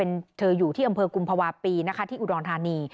เธออยู่ที่อำเภอกุมภาวะปีนะคะที่อุดรธานี